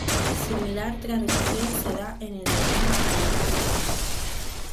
Similar traducción se da en el idioma aymara.